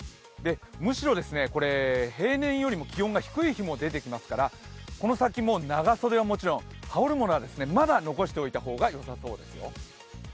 むしろ平年よりも気温が低い日も出てきますから、この先も長袖はもちろん、羽織るものはまだ残しておいた方がよさそうですよ。